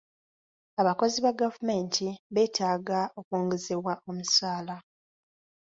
Abakozi ba gavumenti beetaaga okwongezebwa omusaala